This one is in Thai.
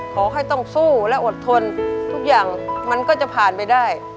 ขอให้ต้องสู้และอดทนทุกอย่างมันก็จะผ่านไปได้